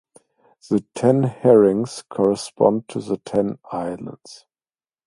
The ten herrings correspond to the ten islands.